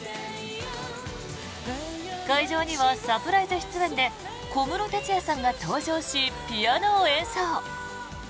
会場にはサプライズ出演で小室哲哉さんが出演しピアノを演奏。